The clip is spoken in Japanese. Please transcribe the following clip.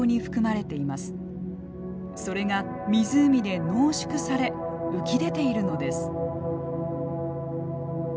それが湖で濃縮され浮き出ているのです。